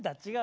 違う？